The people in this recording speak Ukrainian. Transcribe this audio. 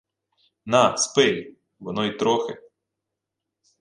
— На, спий, воно й трохи...